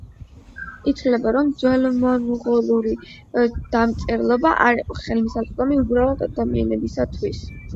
ითვლებოდა რომ ძველმონღოლური დამწერლობა არ იყო ხელმისაწვდომი უბრალო ადამიანებისათვის.